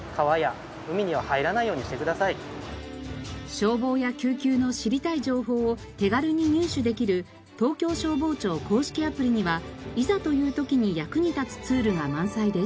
消防や救急の知りたい情報を手軽に入手できる東京消防庁公式アプリにはいざという時に役に立つツールが満載です。